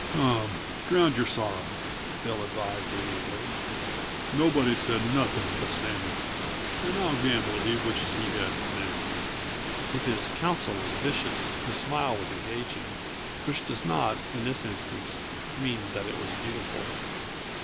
"Come, drownd your sorrer," Bill advised amiably. "Nobody said nothing but Sammy, and I'll gamble he wishes he hadn't, now." If his counsel was vicious, his smile was engaging which does not, in this instance, mean that it was beautiful.